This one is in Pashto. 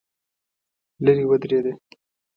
لرې ودرېده.